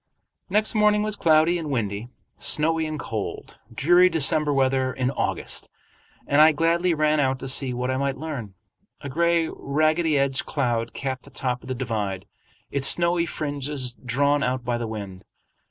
Next morning was cloudy and windy, snowy and cold, dreary December weather in August, and I gladly ran out to see what I might learn. A gray ragged edged cloud capped the top of the divide, its snowy fringes drawn out by the wind.